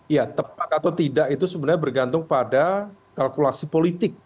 ya tepat atau tidak itu sebenarnya bergantung pada kalkulasi politik